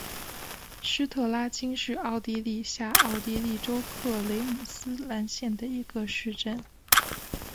施特拉青是奥地利下奥地利州克雷姆斯兰县的一个市镇。